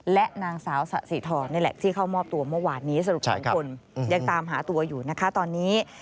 และนางสาวสะสีทรนี่แหละที่เข้ามอบตัวเมื่อวานนี้สรุป๒คนยังตามหาตัวอยู่นะคะตอนนี้